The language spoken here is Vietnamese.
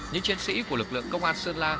những chiến sĩ của lực lượng công an sơn la